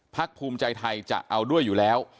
ภูมิใจไทยจะเอาด้วยอยู่แล้ว